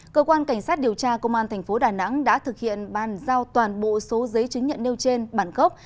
cơ quan cảnh sát điều tra công an thành phố đà nẵng đã thực hiện bàn giao toàn bộ số giấy chứng nhận nêu trên bản gốc